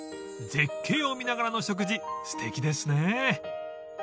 ［絶景を見ながらの食事すてきですね］